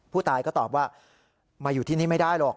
ผู้ตายก็ตอบว่ามาอยู่ที่นี่ไม่ได้หรอก